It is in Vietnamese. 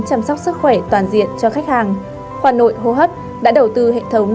chăm sóc sức khỏe toàn diện cho khách hàng khoa nội hô hấp đã đầu tư hệ thống